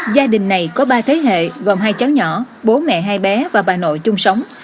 gia đình này có ba thế hệ gồm hai cháu nhỏ bố mẹ hai bé và bà nội chung sống